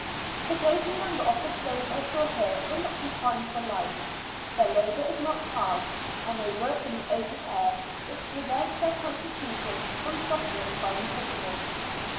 The greater number of the slaves I saw here were not confined for life. Their labour is not hard; and they work in the open air, which prevents their constitutions from suffering by imprisonment.